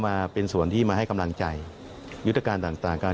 ที่ทำรวจเราได้กำหนดไว้แล้วนะครับน่าจะสัมพันธ์นี้ครับ